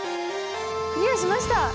クリアしました。